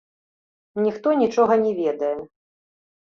Ніхто нічога не ведае.